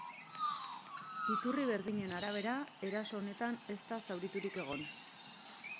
Iturri berdinen arabera, eraso honetan ez da zauriturik egon.